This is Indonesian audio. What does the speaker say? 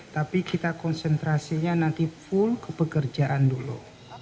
tapi kita konsentrasinya nanti full ke pekerjaan dulu